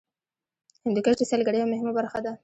هندوکش د سیلګرۍ یوه مهمه برخه ده.